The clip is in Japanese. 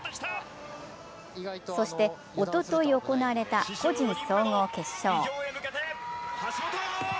そして、おととい行われた個人総合決勝。